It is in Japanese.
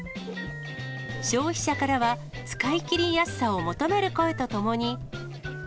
消費者からは使いきりやすさを求める声とともに。